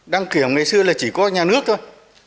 đăng kiểm ngày xưa là chỉ có nhà nước thôi